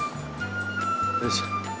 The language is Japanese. よいしょ。